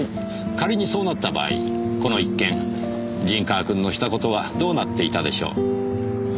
仮にそうなった場合この一件陣川君のした事はどうなっていたでしょう。